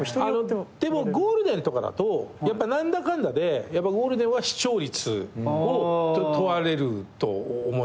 でもゴールデンとかだと何だかんだでやっぱゴールデンは視聴率を問われると思いますよ